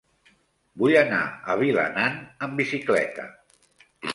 Vull anar a Vilanant amb bicicleta.